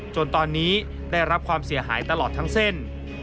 จนตอนนี้ได้รับความเสียหายตลอดทั้งเส้น